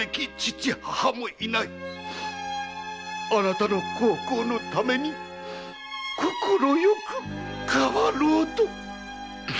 「あなたの孝行のために快く代わろう」と。